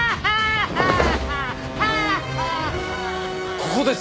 ここです！